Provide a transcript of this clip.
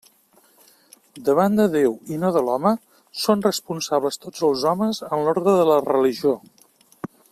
Davant de Déu, i no de l'home, són responsables tots els homes en l'ordre de la religió.